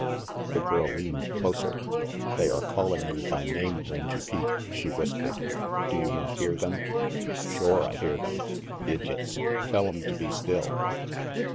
The girl leaned closer. "They are calling you by name, Rangy Pete," she whispered. "Do you not hear them?" "Shore I hear them. Idyots! Tell'em to be still."